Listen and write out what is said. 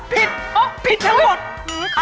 พิดพิดทั้งหมดเอ๊ะว้อคือ